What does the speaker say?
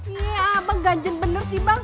ini abang ganjen bener sih bang